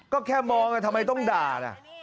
ก็แค่มองทำไมต้องด่านะ